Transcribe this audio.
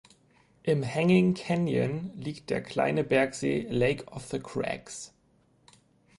Im Hanging Canyon liegt der kleine Bergsee "Lake of the Crags".